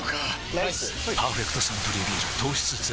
ライス「パーフェクトサントリービール糖質ゼロ」